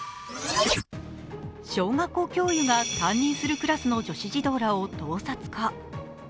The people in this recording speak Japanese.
小学校教諭が担任するクラスの女子児童らを盗撮か。